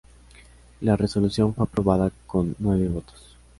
La resolución fue aprobada con nueve votos.